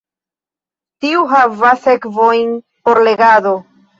Tiu havas sekvojn por legado.